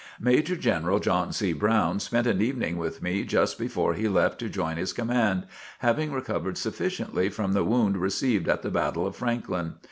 Major General John C. Brown spent an evening with me just before he left to join his command, having recovered sufficiently from the wound received at the Battle of Franklin.